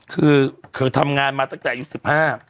คือเคยทำงานมาตั้งแต่ยุค๑๕